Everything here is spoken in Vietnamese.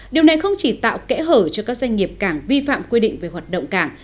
điều này không chỉ tạo kẽ hở cho các doanh nghiệp cảng vi phạm quy định về hoạt động cảng